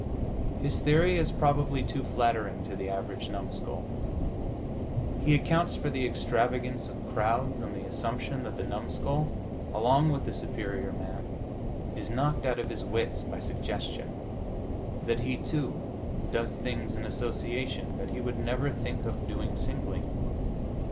His theory is probably too flattering to the average numskull. He accounts for the extravagance of crowds on the assumption that the numskull, along with the superior man, is knocked out of his wits by suggestion that he, too, does things in association that he would never think of doing singly.